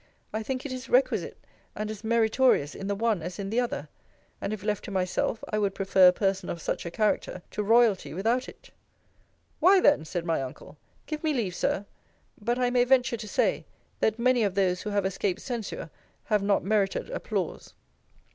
I think it is requisite, and as meritorious, in the one as in the other. And, if left to myself, I would prefer a person of such a character to royalty without it. Why then, said my uncle Give me leave, Sir but I may venture to say, that many of those who have escaped censure, have not merited applause.